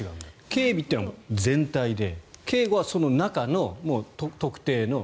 警備っていうのは全体で警護はその中の特定の。